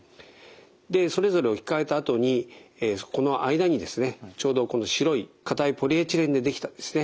でそれぞれ置き換えたあとにこの間にですねちょうどこの白い硬いポリエチレンでできたですね